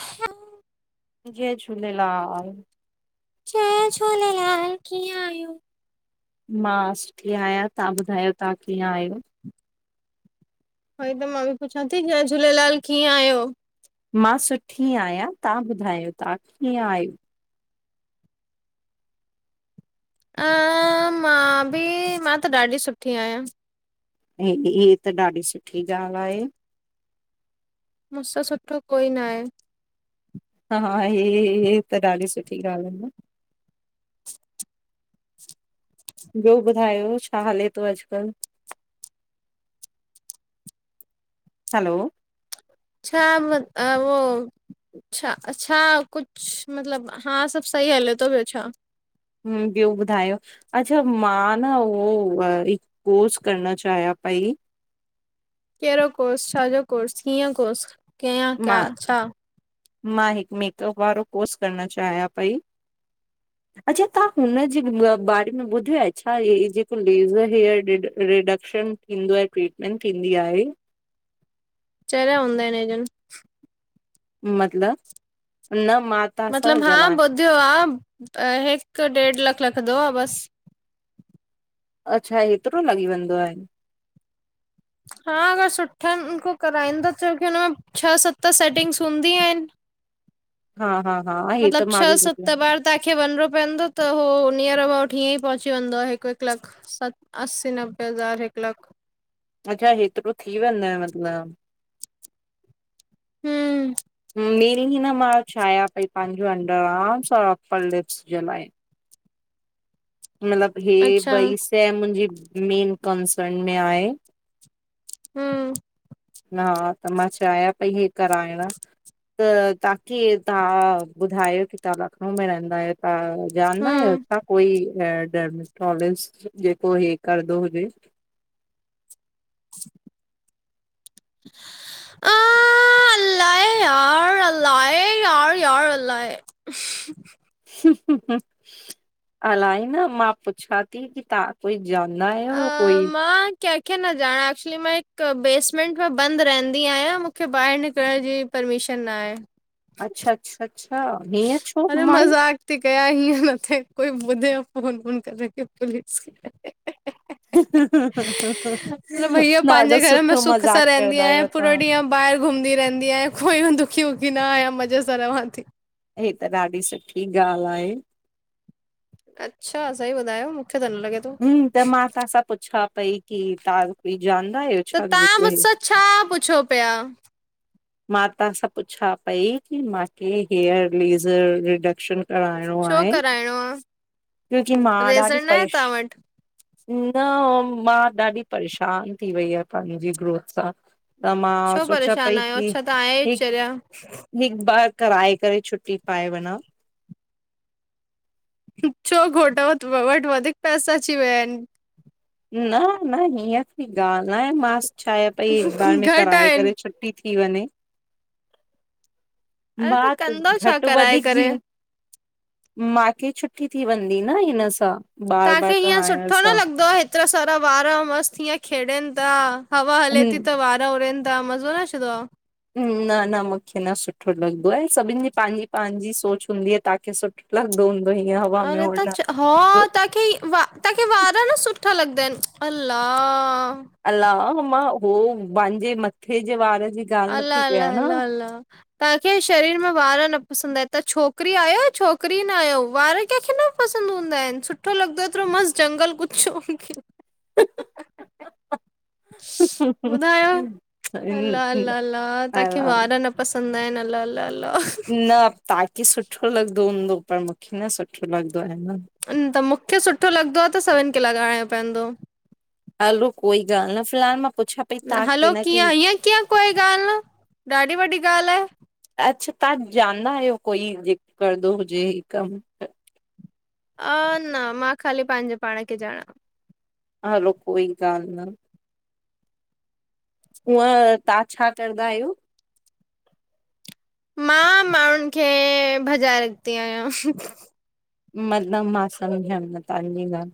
हा जय झूलेलाल। जय झूलेलाल कीअं आयुं। मां सुठी आहियां तव्हां ॿुधायो तव्हां कीअं आहियो। हुई त मां बि पुछां ती जय झूलेलाल कीअं आहयो। मां सुठी आहियां तव्हां ॿुधायो तव्हां कीअं आहियो। अ मां बि मां त ॾाढी सुठी आहियां। दीदी हीअ त ॾाढी सुठी ॻाल्हि आहे। मुसा सुठो कोई नाहे। हा हा हा हे हे हे हे त ॾाढी सुठी ॻाल्हि आहे न। छ छ ॿयो ॿुधायो छा हले यो अॼुकल। हैलो छा मत अहो छा अच्छा कुछ मतलब हा सभ सही हले थो बियो छा। हू ॿयो ॿुधायो अच्छा मां न उहो हिक कोर्स करणा चाहिया पई। कहि्ड़ो कोर्स छाजो कोर्स कीअं कोर्स कीअं क्या मां, छा मां हिक मेकअप वारो कोर्स करणा चाहियां पई। अच्छा ता हुनजे बारे में ॿुधियो आहे छा जेको लेज़र हेयरडि रिडक्शन हीदो आहे ट्रीटमेंट थींदी आहे चरया हूंदा आहिनि अजन। [unintelligible] मतलब, न मां तव्हां सां मतलब हा ॻाल्हायां ॿुधु हा, हिक ॾेढ लख लखंदो आ बस अच्छा, ऐतिरो लॻी वेंदो आहे। हा, अगर सुठन खो कराईंदो, छोकी हुनमें छह सत सेटिंग्स हूंदियूं आहिनि। हा हा हा हे मतलब त मां छह, बि ॿुधो सत आहे बार तव्हांखे वञिणो पवंदो, त हो नियर अबाउट हीअं ई पहुची वेंदो आ, हिकु हिकु लख सत, असी नबे हज़ार हिकु लख अच्छा हेतिरो थी वेंदो आहे मतलबु हम्म [unintelligible] मां चाहियां पई, पंहिंजी अंडरआर्मस ऐं अपरलिपस जे लाइ मतिलब हे अच्छा ॿई शइ, मुंहिंजी मेन कंसरन में आहे हम्म ना त मां चाहियां पई, ही कराइण त तव्हांखे कीअं तव्हां ॿुधायो की, तव्हां लखनऊ में रहंदा आहियो त ॼाणंदा आहियो हम्म छा कोई ड्रमालाजिस्ट जेको ही करंदो हुजे? आ [inaudible] अलाए यार, अलाए, यार यार अलाए अलाए न, मां पुछां थी की तव्हां कोई जाना अ, है, कोई मां कंहिंखे न ॼाणा, एक्चुली मां हिकु बेसमेंट में बंदि रहंदी आहियां, मूंखे ॿाहिरि निकिरण जी परमीशन न आहे। अच्छा अच्छा अच्छा हीअं छो अरे माई मज़ाक थी कयां, हीअं न थे कोई ॿुधे फोन बोन करे क पुलिस खे मतलब भईया ॾाढो पंहिंजे घर में सुठो सुख मज़ाक सां रहंदी कंदा आहियां आहियो पूरो तव्हां! ॾींहुं ॿाहिरि घुमंदी रहंदी आहियां, कोई दुखी वुखी न आहियां मज़े सां रहां थी। हे त ॾाढी सुठी ॻाल्हि आहे अच्छा सही ॿुधायो, मूंखे त न लॻे थो हम्म, त मां तव्हां सां पुछां पई की, तव्हां कोई ॼाणंदा आहियो? त छा तव्हां जेको हे मूंसां छा पुछो पिया? मां तव्हां सां पुछां पई की मूंखे हेयर लेज़र रिडक्शन कराइणो छो आहे, कराइणो आ कयोंकि मां ॾाढी रेज़र न आहे परेश तव्हां वटि? न मां ॾाढी परेशान थी वई आहियां, पंहिंजी ग्रोथ सां त मां सोचां पई की छो त आहियें हिक चरिया हिकु बार कराए करे, छुटी पाए वञा हिक छो घोट वटि वधीक पैसा अची विया आहिनि। न न हीअं की ॻाल्हि न आहे, मां चायां पई हिक बार में घटि कराए करे आहिनि। छुटी थी वञे, अरे मां त कंदो छा घटि कराए वधीक जी करे? मांखे छुटी थी वेंदी न हिनसां तव्हांखे हीअं सुठो न लॻंदो आ एतिरा सारा वार मस्तु हीअं खेॾनि था, हवा हले थी त वार उड़नि था मज़ो न अचे तो। न न मूंखे न सुठो लॻंदो आहे सभिनि जी पंहिंजी पंहिंजी सोच हूंदी आहे तव्हांखे सुठ लॻंदोहुंदो ईं हवा में अरे त उॾण च हा तव्हांखे, तव्हांखे वार न सुठा लॻंदा आहिनि अलाह अलाह होह मां पंहिंजे मथे जे वार जी ॻाल्हि अला नथी अला कयां न अला अला तव्हांखे शरीर में वार न पसंद आऐ तव्हां छोकिरी आहियो छोकिरी न आहियो वार कंखे न पसंद हूंदा आहिनि सुठो लॻंदो आ एतिरो मस्त जंगल गुचछो [inaudible] ॿुधायो अला अला तव्हांखे वार न प पसंद आहिनि अला अला अला न तव्हांखे सुठो लॻंदो हूंदो, पर मूंखे न सुठो लॻंदो आहे न। त मूंखे सुठो लॻंदो आहे त, सभिनि खे लॻाइणो पईंदो। हलो कोई ॻाल्हि न, फिलहाल मां पुछा हलो कीअं हीअं कीअं कोई ॻाल्हि न, ॾाढी वॾी ॻाल्हि आहे। अच्छा तव्हां जानंदा आहियो कोई, जे करंदो हुजे हे कम? अ न मां खाली पंहिंजे पाण खे ॼाणा। हलो कोई ॻाल न। हूअं तव्हां छा करदा आहियो? मां माण्हूंनि खे भॼाए रखंदी आहियां। मतलब मां समझयमि न तव्हांजी ॻाल्हि।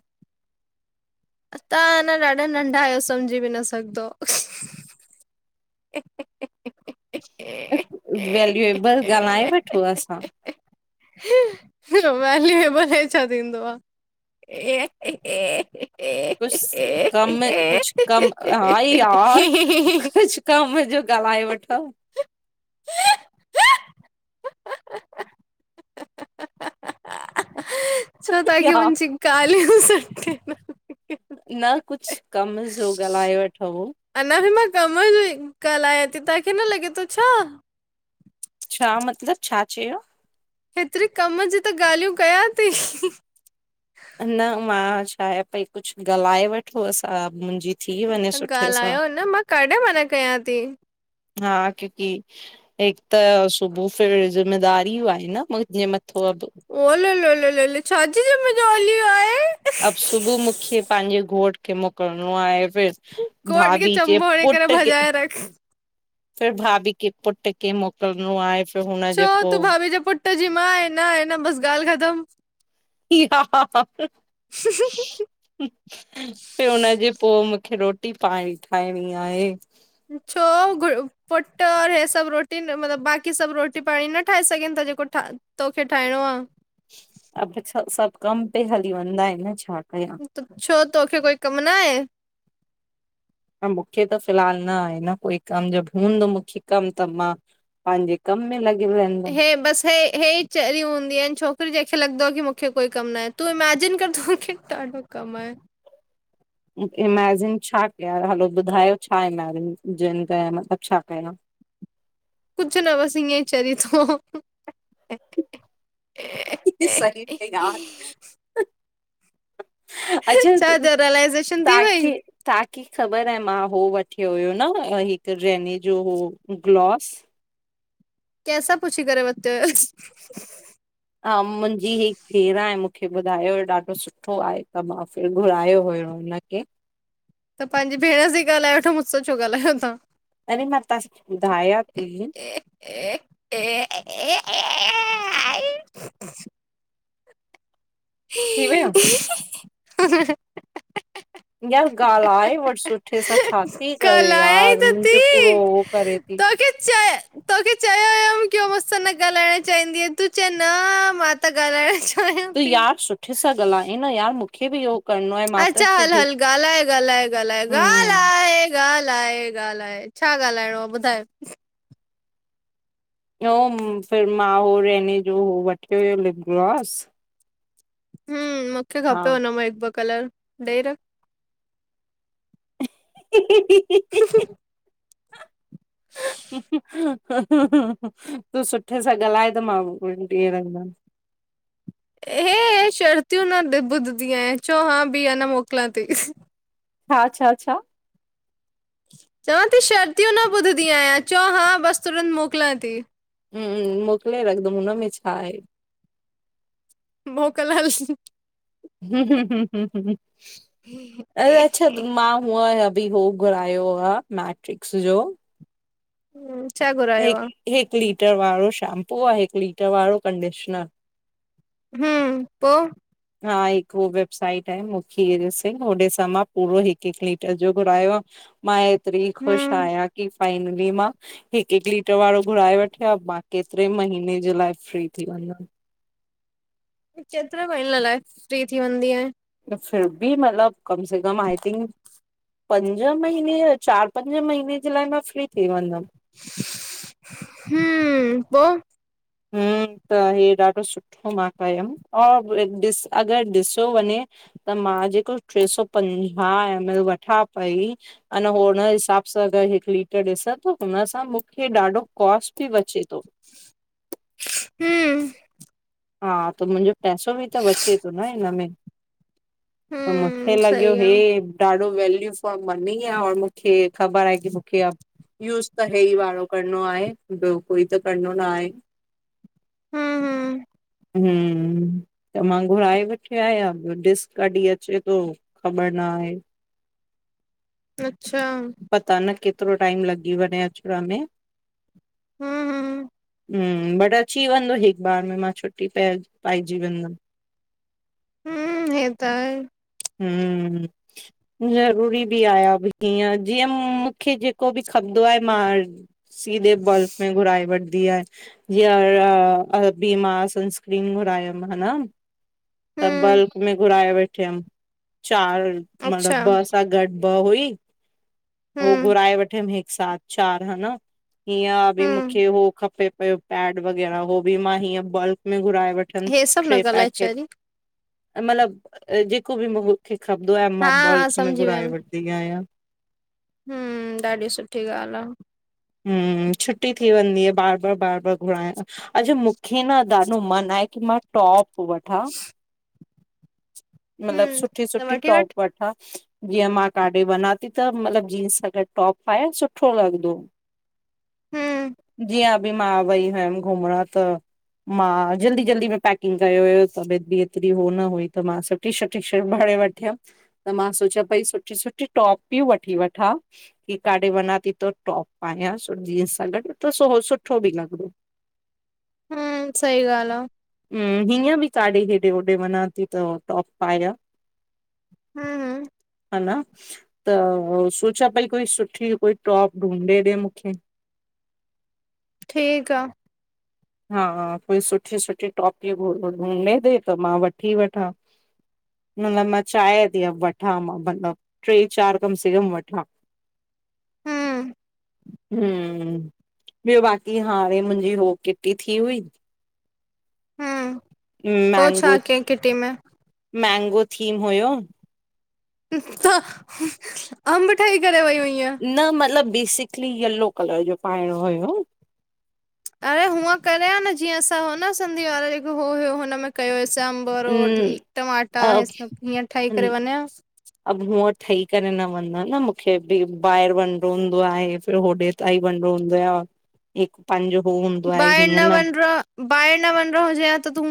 त्हां अञा न ॾाढा नंढा आहियो समझी बि न सघंदो। [inaudible] ॻाल्हि वैल्यूएबल ॻाल्हाए वठु असां? वल्यूएबल हे छा थींदो आ? कुछ कम मे कुछ कम हा यार कुछ कम जो ॻाल्हाए वठो। छो तव्हां खे या मुंहिंजी गाल्हियूं सुठी न कुछ कम जो ॻाल्हाए वठो। अञा बि मां कम जो ही ॻाल्हायां थी, तव्हांखे न लॻे थो छा। छा मतलब छा चयो? हेतिेरी कमं जी त ॻाल्हियूं कया थी। न मां चाहिया पई कुछ ॻाल्हाए वठो असां मुंजी त ॻाल्हायो न मां कॾहिं मना कयां थी। हा क्यो की हिक त सुबुह फिर ज़िम्मेदारीयूं आहे न मुंहिंजे मथा अब। ओ-लोलो-लोलो छाजी जिम्मेदारी आहें? अब सुबुह मूंखे पंहिंजे घोट खे मोकिलणो आहे फिर कोट खे भाभी जे चंबो हणी करे पुट्र के भॼाए रख। फिर भाभी के पुट के मुकिल्णो आहे। फिर हुनजे छो तूं पोइ भाभी जे पुट जी मां आहे, न आहे न, बस गाल्हि ख़तम। [unintelligible] ॿियो हुनजे पो मूंखे रोटी पाण ठाहिणी आहे। छो पुट और हे सब रोटी मतलब बाक़ी सब रोटी पाणी न ठाहे सघनि था जेको ठा तोखे ठाहिणो आ। अब सब कम पे हली वेंदा आहिनि छा कयां? छो तोखे कोई कमु न आहे? न मूंखे त फ़िलहाल न आहे न कोई कम, जब हूंदो मूंखे कमु त मां पांजे कम में लॻी वेंद हे, बस हे हे चरी हूंदी आहिनि छोकिरी जंहिंखे लॻंदो आ की मूंखे कोई कमु ना आहे। तूं इमैजिन कर त मूंखे ॾाढो कम आहे। इमैजिन छा कया? हलो ॿुधायो छा इमैजिन जिन कया? मतलबु छा कयां? कुछु न बस इयं चरी थो। हे सही में यार। अच्छा छा थियो रियलाइज़ेशन थी वई तव्हांखे तव्हांखे ख़बर आहे मां हो वठियो हुयो न, हिकु रैने जो हो ग्लॉस। कैसां पुछी करेे वतो हुयो? हा मुंहिंजी हिकु ॾेराणी मूंखे ॿुधायो हो ॾाढो सुठो आहे, त मां फिर घुरायो हुयो। हिनि खे त पंहिंजी भेण सां ई ॻाल्हाए वठो, मूंसो छो गाल्हायो था? अरे मां तांस ॿुधायां ती। ए ए ए ए ए आई [unintelligible] ही थी वियो ही ह ह [unintelligible] यार ॻाल्हाये वठि सुठे सां छा ती करे कलायई यारु? मुंहिंजो पूरो हो करे ती। छकच [unintelligible] तोखे चयो हुयमि कि मूसां न ॻाल्हाइण चाहंदीय, तूं चई न मां त ॻाल्हाइण च त यार सुठे सां ॻाल्हाए न यार मूंखे बि इहो करिणो आहे मां त अच्छा हल- सिर्फ हिक हल ॻाल्हाए, ॻाल्हाए, ॻाल्हाए, हम्म ॻाल्हाए। ॻाल्हाये ॻाल्हाये छा ॻाल्हाइणो आ ॿुधाये? उम मां हो रहने जो हो वठियो हुयो लिपग्लोस हम्म, मूंखे हा खपे हुनमां हिकु ॿ कलरु ॾेई रख। हीहीही ह ह ह [unintelligible] ह ह ह तूं सुठे सां ॻाल्हाए त मां ॾहि रहंदमि। हे हे शर्तियूं न द बुधदी आहियां, चओ हा बी अनां मोकिलां ती। हा, छा-छा? चवां ती शर्तियूं न ॿुधंदी आहियां, चओ हा बसि तुरंत मोकिलियां ती। हम्म, मोकिले रखंदमि हुनमें छा आहे? मोकलि हल। हं- हं -हं, अरे छॾु मां हुआं या। बि हो घुरायो आ मेट्रिक्स जो ह सगो [unintelligible] हिकु हिकु लीटर वारो शैम्पू आ, हिकु लीटर वारो कंडीशनर। हम्म, पो हा हिकु वेबसाइट आ मूंखेसींग होओॾे सां मां पूरो हिकु -हिकु लीटर जो घुरायो आ। मां एतरी खुशि हम्म आहियां की फाइनली मां हिकु हिकु लीटर वारो घुराए वठियां मां केतिरे महीने जे लाइ फ्री थी वेदमि। केतिरे महिने लाइ फ्री थी वेंदीयं? फिर भी मतिलब कम से कम आई थिंक पंज महीने या चार पंज महीने जे लाइ मां फ्री थी वेंदमि। हम्म, पो हम्म, त हे ॾाढो सुठ मां कयमि, और ॾिस अगरि ॾिसो वञे त मां जेको टे सौ पंजाह एम एल वठां पई अन हुन हिसाब सां अगरि हिकु लीटर ॾिसां थो, हुन सां मूंखे ॾाढो कॉस्ट बि बचे थो। हम्म हा, त मुंहिंजो पैसो बि त बचे थो न हिन में त मूंखे हम्म लॻियो सही आ। हे ॾाढो वैल्यू फॉर मनी आ, और मूंखे खबर आ की मूंखे यूज त हे ई वारो करणो आहे, ॿियो कोई त करणो न आहे हम्म हम्म हम्म त मां घुराए वठी आहियां, ॾिसु कॾहिं अचे थो खबर न आहे अच्छा पता न केतिरो टाइम लॻी वञे अचण में हम्म, हम्म हम्म, बट अची वेंदो हिकु बार में, मां छुटी पइ पाइजी वेंदम हम्म, हे त आहे हम्म जरूरी बि आहियां, हीअं जीअं मूंखे जेको बि खपंदो आहे मां सीधे बल्क में घुराए वठ। दी आहियां जीअं र अ बीमा सनस्क्रीन घुरायमि हा ना त हम्म बल्क में घुराए वेठी हुयमि, चार अच्छा मतिलब बस घट ब हुई, पोइ हम्म घुराए वठंदींअ हिक साथ चार ह न हीअं बि हम्म मूंखे हो खपे पयो पेड वग़ैरह हो बि मां हीअं बल्क में घुराए वठी हे सभु न टे ॻाल्हाए पैकेट चरी मतिलब जेको बि खपंदो आ, हा मां हा बल्क में समझी घुराए वियमि वठंदी आहियां। हम्म, ॾाढी सुठी ॻाल्हि आ हम्म, छुटी थी वेंदी आ बार बार, बार बार घुराइण खां अच्छा, मूंखे न ॾाढो मन आहे की मां टॉप वठां मतलब हम्म सुठी त सुठी वठी टॉप वठ वठां जीअं मां काॾे वञा थी त, मतलबु जींस सां गॾु टॉप पायां सुठो लॻदो। हम्म जीअं अभी मां वई हुयम घुमण त मां जल्दी जल्दी में पैकिंग करे वई त, पेती ऐतरी हो न हुई त मां चयुमि टी-शर्ट, टी-शर्ट [unintelligible] वठियमि। त मां सोचां पई सुठी सुठी टॉप थी वठी वठां, की काॾे वञा थी त टॉप पायांसि, जींस सां गॾु त सो सुठो बि लॻदो। हम्म, सही ॻाल्ह आ। हम्म, हीअं बि काॾे हेॾे होॾे वञा थी त टॉप पायां। हम्म हा न, त सोचां पई कोई सुठी, कोई टॉप ढूंढे ॾे मूंखे ठीकु आ। हा कोई सुठी-सुठी टॉप ॿियूं भ ढूंडे ॾे, त मां वठी वठां-' माना मां चाहियां थी वठां, मां मतिलबु टे चारि बि कम से कम वठां [inaudible] हम्म हम्म, ॿियो बाक़ी हाणे मुंहिंजी हो किटी थी हुई। हम्म पो छा मैंगोस कयईं किटी में? मैंगो थीम हुयो। अंब ठही करे वई हुईंअं? न मतलबु बेसिकली येलो कलर जो पाइणो हुयो। अड़े हूअं करेयां न जीअं असां हो न सिंधी वारो जेको हो हुयो हुनमें कयो हुयोसें अम परवल, न टमाटा अ हे सभु हीअं ठही करे वञिंआं। अब हुअं ठही करे न वञा न, मूंखे बि ॿाहिरि वञणो हूंदो आहे फिर होॾे त ई वञबो हूंदो आ, हिकु पंज हू हूंदो आहे कि हीअं न बाहिर न वञणो हुजे हां त तूं